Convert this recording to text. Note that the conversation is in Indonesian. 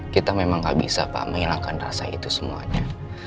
kita memang gak bisa pak menghilangkan rasa itu semuanya